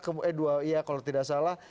kemudian dua ya kalau tidak salah